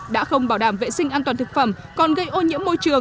đã không bảo đảm vệ sinh an toàn thực phẩm còn gây ô nhiễm môi trường